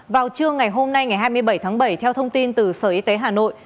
vào trưa ngày hôm nay ngày hai mươi bảy tháng bảy theo thông tin từ sở y tế hà nội